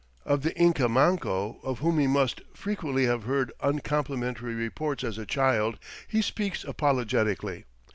Of the Inca Manco, of whom he must frequently have heard uncomplimentary reports as a child, he speaks apologetically.